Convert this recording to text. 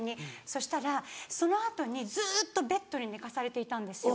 そしたらその後にずっとベッドに寝かされていたんですよ。